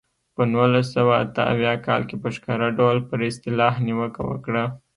په نولس سوه اته اویا کال کې په ښکاره ډول پر اصطلاح نیوکه وکړه.